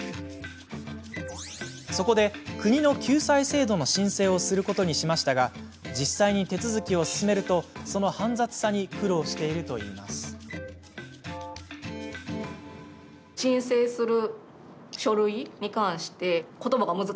そこで国の救済制度の申請をすることにしましたが実際に手続きを進めるとその煩雑さに苦労しているといいます。